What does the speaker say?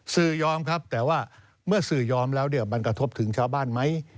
ยอมครับแต่ว่าเมื่อสื่อยอมแล้วเนี่ยมันกระทบถึงชาวบ้านไหม